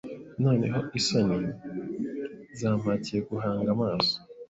Noneho isoni zampatiye guhanga amaso